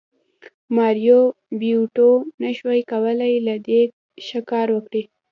ماریو بیوټو نشوای کولی له دې ښه کار وکړي